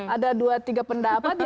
ada dua tiga pendapat